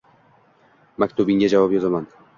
Maktubingga javob yozaman.